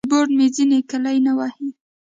کیبورډ مې ځینې کیلي نه وهي.